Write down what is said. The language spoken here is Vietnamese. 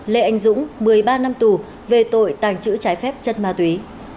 lê anh dũng một mươi ba năm tù về tội tàng trữ trái phép chất ma túy